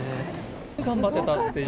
頑張ってたっていう？